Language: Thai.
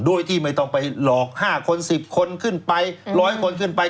โดยที่ไม่ต้องไปหลอก๕คน๑๐คนขึ้นไป๑๐๐คนขึ้นไป